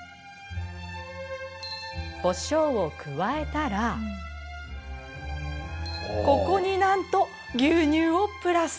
こしょうを加えたらここになんと牛乳をプラス。